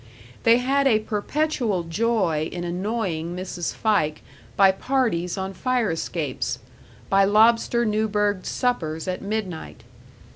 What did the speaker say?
They had a perpetual joy in annoying Mrs. Fike by parties on fire escapes, by lobster Newburgh suppers at midnight.